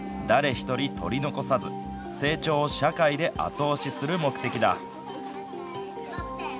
１人取り残さず成長を社会で後押しする目的だ。